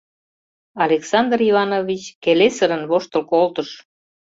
— Александр Иванович келесырын воштыл колтыш.